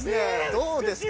どうですか？